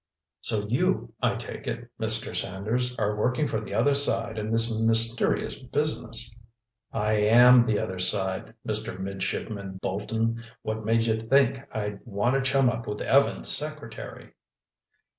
"So you, I take it, Mr. Sanders, are working for the other side in this mysterious business?" "I am the other side, Mr. Midshipman Bolton. What made you think I'd want to chum up with Evans' secretary?"